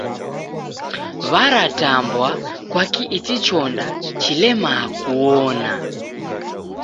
Waratambwa kwaki ichi chonda chilemaa kuona?